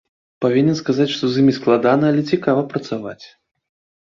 Павінен сказаць, што з імі складана, але цікава працаваць.